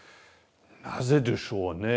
なぜでしょうねえ。